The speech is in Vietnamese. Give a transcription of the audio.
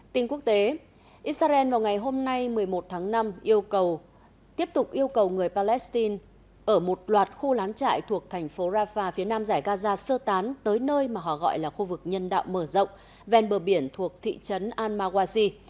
tin quốc tế israel vào ngày hôm nay một mươi một tháng năm tiếp tục yêu cầu người palestine ở một loạt khu lán trại thuộc thành phố rafah phía nam giải gaza sơ tán tới nơi mà họ gọi là khu vực nhân đạo mở rộng ven bờ biển thuộc thị trấn al mawasi